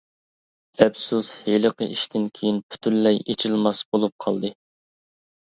ئەپسۇس، ھېلىقى ئىشتىن كېيىن پۈتۈنلەي ئېچىلماس بولۇپ قالدى.